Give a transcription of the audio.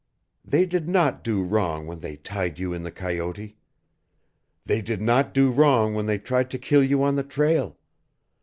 They did not do wrong when they tied you in the coyote. They did not do wrong when they tried to kill you on the trail.